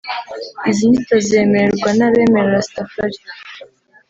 Izi nyito zemerwa n’abemera Rastafari